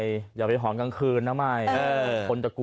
อย่าไปหอนกลางคืนนะไม่คนจะกลัว